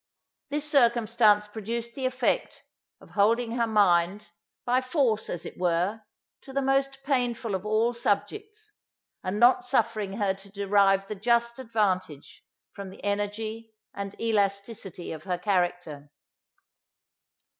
This circumstance produced the effect, of holding her mind, by force, as it were, to the most painful of all subjects, and not suffering her to derive the just advantage from the energy and elasticity of her character.